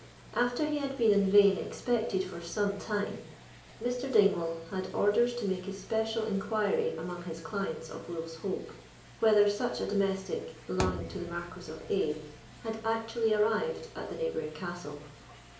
After he had been in vain expected for some time, Mr. Dingwall had orders to made especial inquiry among his clients of Wolf's Hope, whether such a domestic belonging to the Marquis of A——had actually arrived at the neighbouring castle.